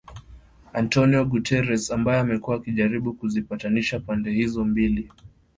Antonio Guterres, ambaye amekuwa akijaribu kuzipatanisha pande hizo mbili